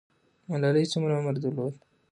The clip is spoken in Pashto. ملالۍ څومره عمر درلود؟